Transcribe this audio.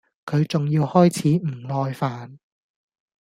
佢仲要開始唔耐煩